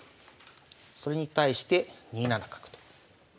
それに対して２七角と。